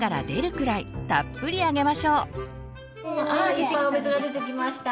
いっぱいお水が出てきました。